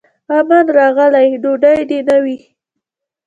امن راغلی ډوډۍ دي نه وي